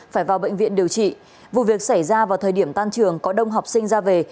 phải vào bệnh viện điều trị vụ việc xảy ra vào thời điểm tan trường có đông học sinh ra về